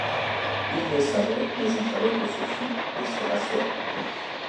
Il ne savait, mais il fallait que ce fût... et cela serait...